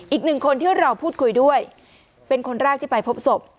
อีกหนึ่งคนที่เราพูดคุยด้วยเป็นคนแรกที่ไปพบศพ